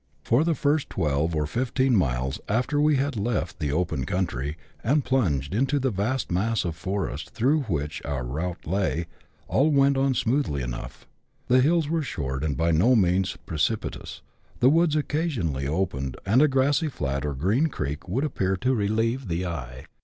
For the first twelve or fifteen miles after we had left the open country, and plunged into the vast mass of forest through which our route lay, all went on smoothly enough ; the hills were short and by no means precipitous, the woods occasionally opened, and a grassy flat or green "creek" would appear to relieve the eye.